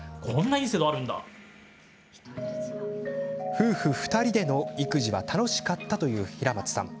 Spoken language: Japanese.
夫婦２人での育児は楽しかったという平松さん。